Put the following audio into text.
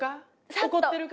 怒ってるか？